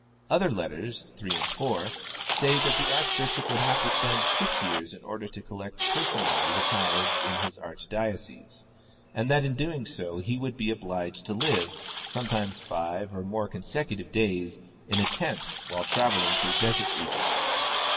Other letters (letters 3, 4) say that the archbishop would have to spend six years in order to collect personally the tithes in his arch diocese, and that in doing so he would be obliged to live, sometimes five or more consecu tive days, in a tent while traveling through desert regions.